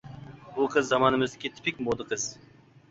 بۇ قىز زامانىمىزدىكى تىپىك مودا قىز.